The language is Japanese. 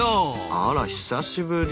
あら久しぶり。